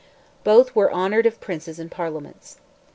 Both were honoured of princes and parliaments.